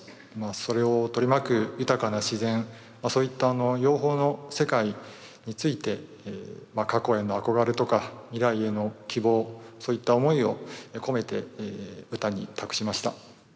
それを取り巻く豊かな自然そういった養蜂の世界について過去への憧れとか未来への希望そういった思いを込めて歌に託しました。